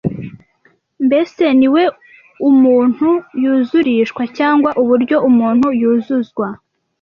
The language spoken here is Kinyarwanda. Mbese ni we umuntu yuzurishwa, cyangwa uburyo umuntu yuzuzwa?